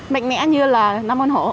mạnh mẽ như là năm ơn hổ